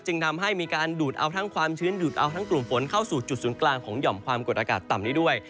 ทำให้มีการดูดเอาทั้งความชื้นดูดเอาทั้งกลุ่มฝนเข้าสู่จุดศูนย์กลางของหย่อมความกดอากาศต่ำนี้ด้วย